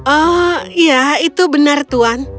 oh iya itu benar tuhan